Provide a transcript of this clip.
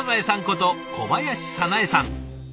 こと小林早苗さん。